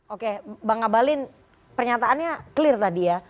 oke banga balin pernyataannya clear tadi ya